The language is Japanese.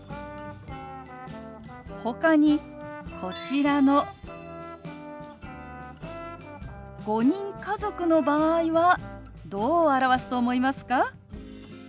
ほかにこちらの５人家族の場合はどう表すと思いますか？